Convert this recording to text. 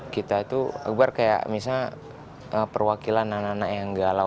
kita itu akbar kayak misalnya perwakilan anak anak yang galau